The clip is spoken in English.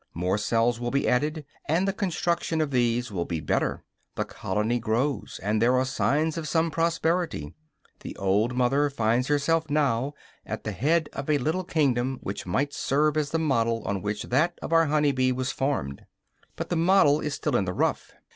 More cells will be added, and the construction of these will be better; the colony grows, and there are signs of some prosperity. The old mother finds herself now at the head of a little kingdom which might serve as the model on which that of our honey bee was formed. But the model is still in the rough.